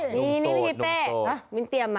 นี่พี่ฮิเป้ะมิ้นเตรียมมา